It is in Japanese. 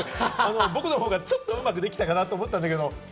僕の方がちょっとうまくできたかなと思ったんですけど。